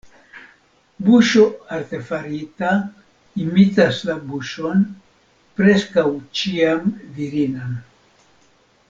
Buŝo artefarita imitas la buŝon, preskaŭ ĉiam virinan.